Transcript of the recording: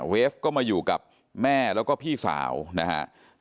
เฟฟก็มาอยู่กับแม่แล้วก็พี่สาวนะครับ